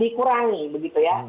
dikurangi begitu ya